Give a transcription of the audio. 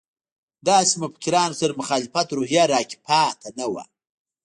داسې مفکرانو سره د مخالفت روحیه راکې پاتې نه وه.